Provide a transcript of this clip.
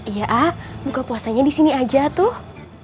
iya ah buka puasanya di sini aja tuh